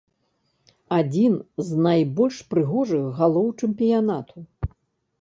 Адзін з найбольш прыгожых галоў чэмпіянату.